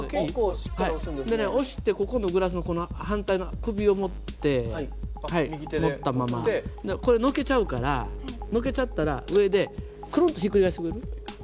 押してここのグラスの首を持ってこれのけちゃうからのけちゃったら上でくるんとひっくり返してくれる？